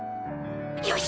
よし！